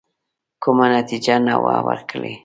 کومه نتیجه نه وه ورکړې.